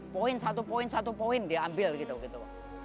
poin satu poin satu poin diambil gitu gitu